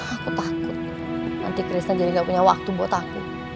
aku takut nanti kristen jadi gak punya waktu buat aku